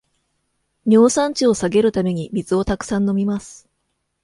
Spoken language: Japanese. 尿酸値を下げるために水をたくさん飲みます